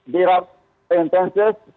di rapat penyakit